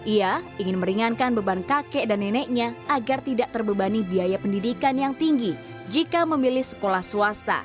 ia ingin meringankan beban kakek dan neneknya agar tidak terbebani biaya pendidikan yang tinggi jika memilih sekolah swasta